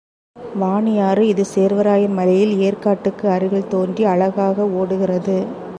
வாணியாறு இது சேர்வராயன் மலையில் ஏர்க்காட்டுக்கு அருகில் தோன்றி அழகாக ஓடுகிறது.